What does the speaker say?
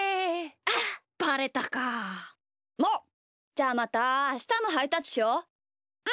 じゃあまたあしたもハイタッチしよう。